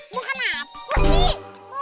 mau kena apa sih